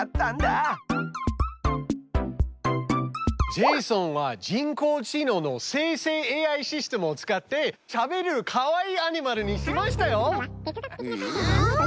ジェイソンは人工知能の生成ＡＩシステムを使ってしゃべるカワイイアニマルにしましたよ！